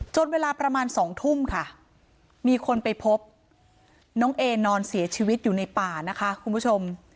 เวลาประมาณ๒ทุ่มค่ะมีคนไปพบน้องเอนอนเสียชีวิตอยู่ในป่านะคะคุณผู้ชม